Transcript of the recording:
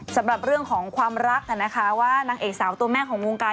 สำหรับเรื่องของความรักนะคะว่านางเอกสาวตัวแม่ของวงการ